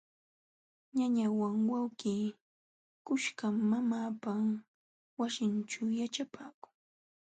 Ñañawan wawqii kuskam mamaapa wasinćhu yaćhapaakun.